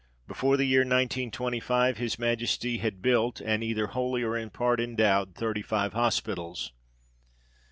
Before the year 1925, his Majesty had built, and either wholely, or in part, endowed thirty five hospitals.